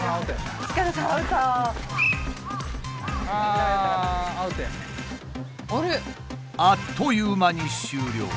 あっという間に終了。